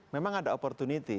memang ada opportunity